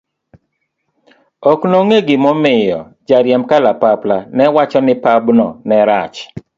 okne ong'eyo gima omiyo ja riemb kalapapla ne wacho ni pabno ne rach.